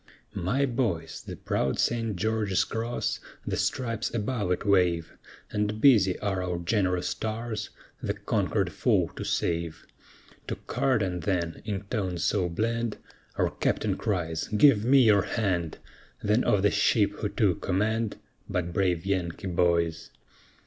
My boys, the proud St. George's Cross, the stripes above it wave, And busy are our gen'rous tars, the conquered foe to save, To Carden then, in tones so bland, Our Captain cries "Give me your hand," Then of the ship who took command But brave Yankee boys?